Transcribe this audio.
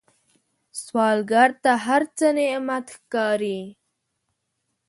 سوالګر ته هر څه نعمت ښکاري